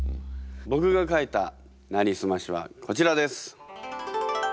僕が書いた「なりすまし」はこちらです。